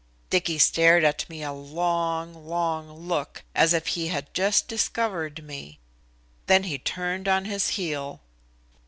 Dicky stared at me a long, long look as if he had just discovered me. Then he turned on his heel.